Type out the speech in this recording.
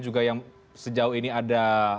juga yang sejauh ini ada